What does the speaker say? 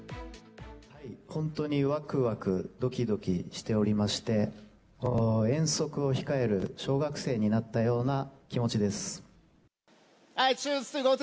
本当にわくわくどきどきしておりまして、遠足を控える小学生になったような気持ちです。